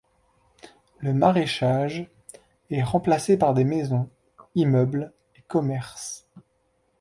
Le maraîchage est remplacé par des maisons, immeubles et commerces.